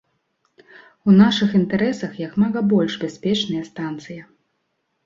У нашых інтарэсах як мага больш бяспечная станцыя.